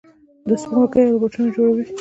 دوی سپوږمکۍ او روباټونه جوړوي.